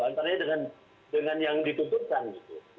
antara dengan yang ditutupkan gitu